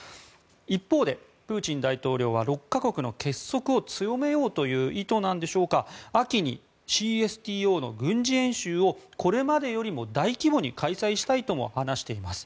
一方で、プーチン大統領は６か国の結束を強めようという意図なんでしょうか秋にＣＳＴＯの軍事演習をこれまでよりも大規模に開催したいと述べています。